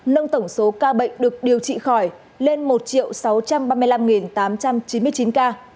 nâng tổng số ca bệnh được điều trị khỏi lên một sáu trăm ba mươi năm tám trăm chín mươi chín ca